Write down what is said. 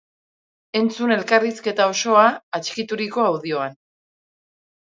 Entzun elkarrizketa osoa atxikituriko audioan.